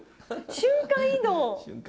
瞬間移動。